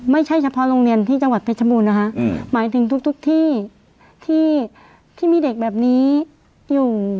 ไม่ใช่เฉพาะโรงเรียนที่จังหวัดเพชรบูรณ์นะคะหมายถึงทุกที่ที่มีเด็กแบบนี้อยู่